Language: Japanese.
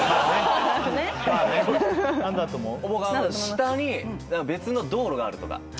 下に別の道路があるとか。